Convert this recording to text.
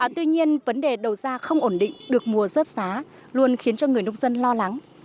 tuy nhiên vấn đề đầu ra không ổn định được mùa rớt giá luôn khiến cho người nông dân lo lắng